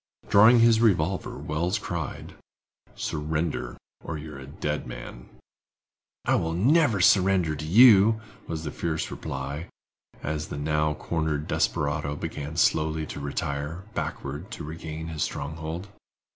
Drawing his revolver, Wells cried: "Surrender or you are a dead man!" "I never will surrender to you," was the fierce reply, as the now cornered desperado began slowly to retire, backward, to regain his stronghold.